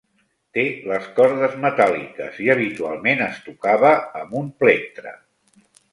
Té les cordes metàl·liques i habitualment es tocava amb un plectre.